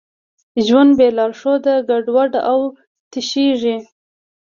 ژوند بېلارښوده ګډوډ او تشېږي.